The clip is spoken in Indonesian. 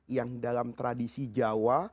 yang dalam tradisi jawa